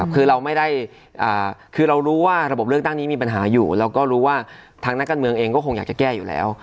คือเราไม่ได้คือเรารู้ว่าระบบเลือกตั้งนี้มีปัญหาอยู่เราก็รู้ว่าทางนักการเมืองเองก็คงอยากจะแก้อยู่แล้ว